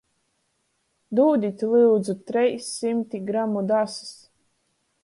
Dūdit, lyudzu, treis symti gramu dasys!